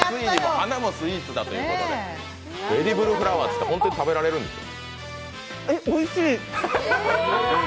花もスイーツだということでエディブルフラワーで、本当に食べられるんですよ。